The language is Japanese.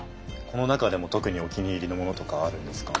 この中でも特にお気に入りのものとかあるんですか？